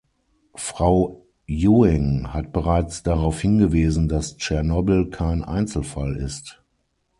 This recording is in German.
Frau Ewing hat bereits darauf hingewiesen, dass Tschernobyl kein Einzelfall ist.